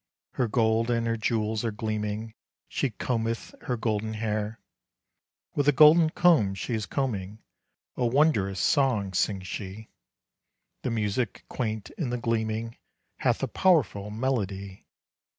Her gold and her jewels are gleaming. She combeth her golden hair. With a golden comb she is combing; A wondrous song sings she. The music quaint in the gleaming, Hath a powerful melody.